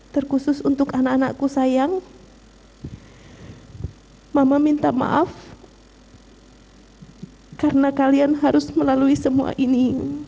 terkhusus untuk anak anakku sayang mama minta maaf karena kalian harus melalui semua ini